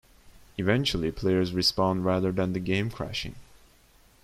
Eventually players respawn rather than the game crashing.